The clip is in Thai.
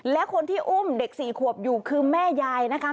และคนที่อุ้มเด็ก๔ขวบอยู่คือแม่ยายนะคะ